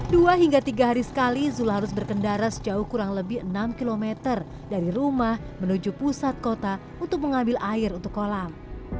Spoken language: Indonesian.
dua hingga tiga hari sekali zulha harus berkendara sejauh kurang lebih enam km dari rumah menuju pusat kota untuk mengambil air untuk kolam